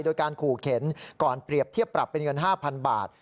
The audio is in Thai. โดยการขู่เข็นก่อนเปรียบเทียบปรับเป็นเงิน๕๐๐๐บาท